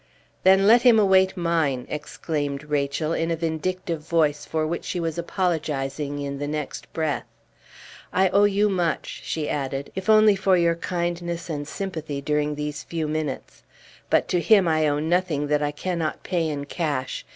"Then let him await mine!" exclaimed Rachel, in a vindictive voice for which she was apologizing in the next breath. "I owe you much," she added, "if only for your kindness and sympathy during these few minutes. But to him I owe nothing that I cannot pay in cash.